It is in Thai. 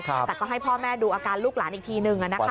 แต่ก็ให้พ่อแม่ดูอาการลูกหลานอีกทีนึง